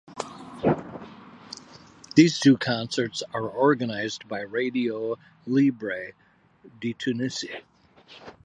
These two concerts are organized by Radio Libre de Tunisie.